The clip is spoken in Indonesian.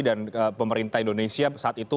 dan pemerintah indonesia saat itu